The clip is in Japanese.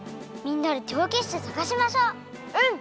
みんなでてわけしてさがしましょう！